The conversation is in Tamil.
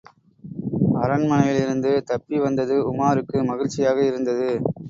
அரண்மனையிலிருந்து தப்பி வந்தது உமாருக்கு மகிழ்ச்சியாக இருந்தது.